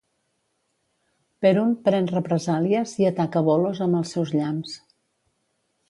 Perun pren represàlies i ataca Volos amb els seus llamps.